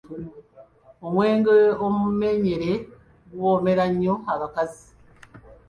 Omwenge omumenyere guwoomera nnyo abakazi.